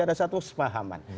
ada satu pahaman